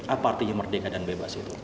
apa artinya merdeka dan bebas itu